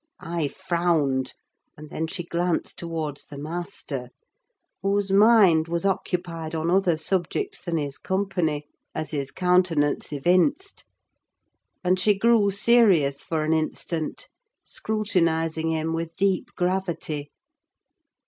I frowned, and then she glanced towards the master: whose mind was occupied on other subjects than his company, as his countenance evinced; and she grew serious for an instant, scrutinizing him with deep gravity.